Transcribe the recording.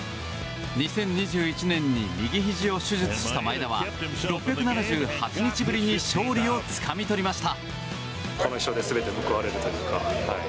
２０２１年に右ひじの手術した前田は６７８日ぶりに勝利をつかみ取りました。